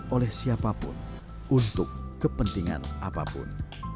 oleh siapapun untuk kepentingan apapun